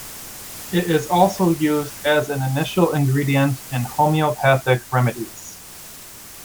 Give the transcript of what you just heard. It is also used as an initial ingredient in homeopathic remedies.